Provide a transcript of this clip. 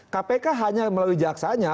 kpk hanya melalui jaksanya